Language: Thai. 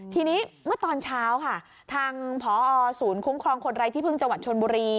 ทีนี้เมื่อตอนเช้าค่ะทางพอศูนย์คุ้มครองคนไร้ที่พึ่งจังหวัดชนบุรี